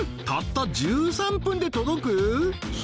たった１３分で届く？